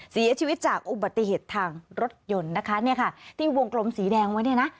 เสียชีวิตจากอุบัติเหตุทางรถยนต์นะคะเนี่ยค่ะที่วงกลมสีแดงไว้เนี่ยนะ